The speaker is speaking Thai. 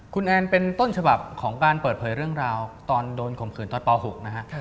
คุณแอนเป็นต้นฉบับของการเปิดเผยเรื่องราวตอนโดนข่มขืนตอนป๖นะฮะ